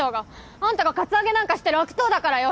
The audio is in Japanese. アンタがカツアゲなんかしてる悪党だからよ！